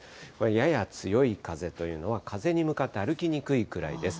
やや強い風というのは、風に向かって歩きにくいぐらいです。